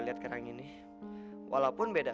beberapa tahun kemudian